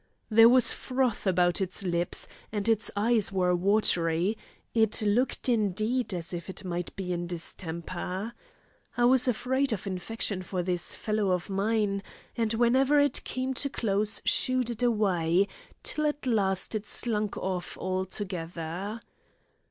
There was froth about its lips, and its eyes were watery; it looked indeed as if it might be in distemper. I was afraid of infection for this fellow of mine, and whenever it came too close shooed it away, till at last it slunk off altogether.